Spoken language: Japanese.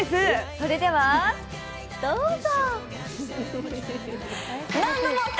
それではどうぞ！